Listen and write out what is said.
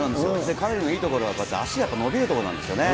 彼のいいところは足だとのびるところなんですよね。